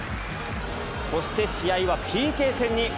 そして試合はＰＫ戦に。